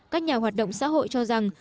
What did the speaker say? các nhà hoạt động xã hội cho rằng